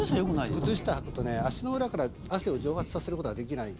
靴下をはくと、足の裏から汗を蒸発させることができない。